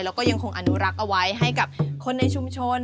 แล้วก็ยังคงอนุรักษ์เอาไว้ให้กับคนในชุมชน